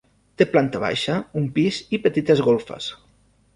Té planta baixa, un pis i petites golfes.